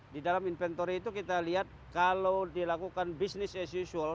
di dalam inventory itu kita lihat kalau dilakukan business as usual